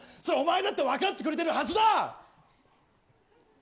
それお前だって分かってくれてるはずだ！